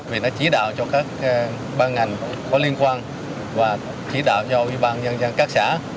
vì nó chỉ đạo cho các băng ngành có liên quan và chỉ đạo cho băng nhân dân các xã